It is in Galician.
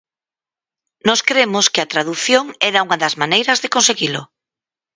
Nós cremos que a tradución era unha das maneiras de conseguilo.